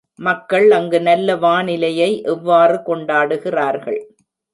மக்கள் அங்கு நல்ல வானிலையை எவ்வாறு கொண்டாடுகிறார்கள்?